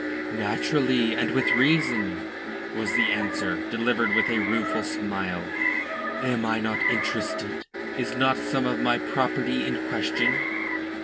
"Naturally, and with reason," was the answer, delivered with a rueful smile. "Am I not interested? Is not some of my property in question?"